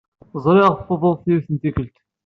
Ẓriɣ tuḍut yiwet n tikkelt.